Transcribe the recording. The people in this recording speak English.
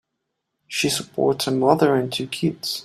She supports a mother and two kids.